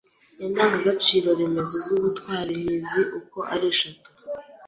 Indangagaciro remezo z’ubutwari ni izi uko ari eshatu: